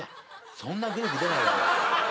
そんなグループ出ないわよ。